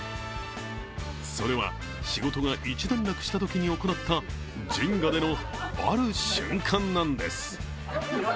それは、仕事が一段落したときに行ったジェンガでのある瞬間なんです。